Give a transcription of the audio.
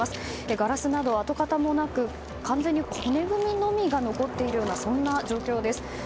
ガラスなど跡形もなく完全に骨組みのみが残っている状況です。